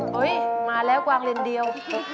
เฮ้ยมาแล้วกวางเลนเดียว